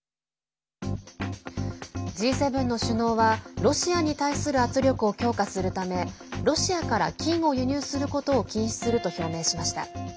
Ｇ７の首脳は、ロシアに対する圧力を強化するためロシアから金を輸入することを禁止すると表明しました。